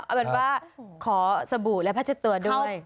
เอาแบบว่าขอสบู่และพัชตือด้วย